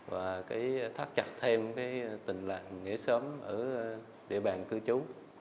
để thắt chặt thêm cái tình làng nghỉ sớm ở địa bàn cư chú